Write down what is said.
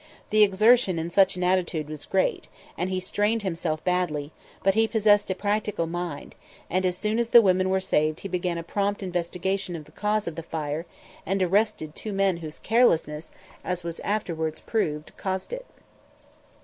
The exertion in such an attitude was great, and he strained himself badly; but he possessed a practical mind, and as soon as the women were saved he began a prompt investigation of the cause of the fire, and arrested two men whose carelessness, as was afterward proved, caused it.